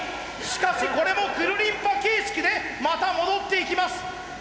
しかしこれもくるりんぱ形式でまた戻っていきます。